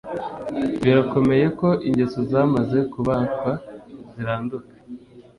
Birakomeye ko ingeso zamaze kubakwa ziranduka